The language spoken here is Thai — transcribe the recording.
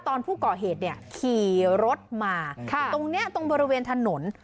ตอนผู้ก่อเหตุเนี่ยขี่รถมาตรงนี้ตรงบริเวณถนน